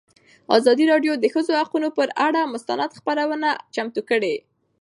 ازادي راډیو د د ښځو حقونه پر اړه مستند خپرونه چمتو کړې.